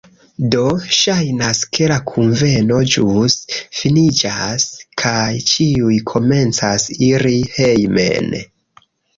Do, ŝajnas, ke la kunveno ĵus finiĝas kaj ĉiuj komencas iri hejmen